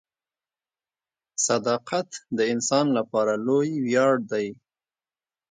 • صداقت د انسان لپاره لوی ویاړ دی.